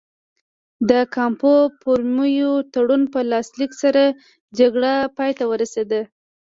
د کامپو فورمیو تړون په لاسلیک سره جګړه پای ته ورسېده.